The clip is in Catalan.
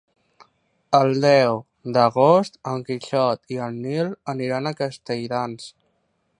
El deu d'agost en Quixot i en Nil aniran a Castelldans.